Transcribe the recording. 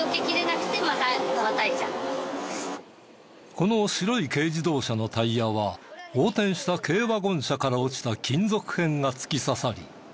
この白い軽自動車のタイヤは横転した軽ワゴン車から落ちた金属片が突き刺さりパンク。